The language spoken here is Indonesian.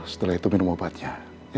setelah itu minum obatnya